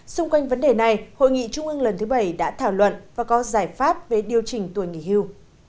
xung quanh vấn đề này hội nghị trung ương lần thứ bảy đã thảo luận và có giải pháp về điều chỉnh tuổi nghỉ hưu